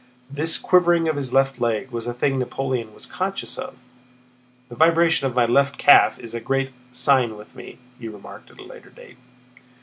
This quivering of his left leg was a thing Napoleon was conscious of. "The vibration of my left calf is a great sign with me," he remarked at a later date.